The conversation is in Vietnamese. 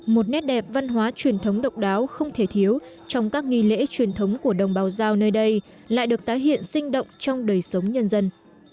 một nét đẹp văn hóa truyền thống độc đáo không thể thiếu trong các nghi lễ truyền thống của đồng bào giao nơi đây lại được tái hiện sinh động trong đời sống nhân dân